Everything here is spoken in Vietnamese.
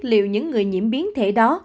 liệu những người nhiễm biến thể đó